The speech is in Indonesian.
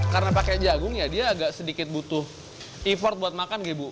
karena pakai jagung ya dia agak sedikit butuh effort buat makan ya ibu